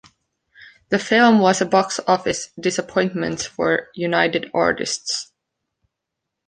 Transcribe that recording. The film was a box office disappointment for United Artists.